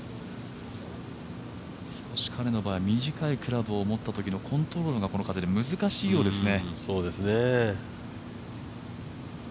少し彼の場合、短いクラブを持ったときのコントロールがこの風で難しいようですね。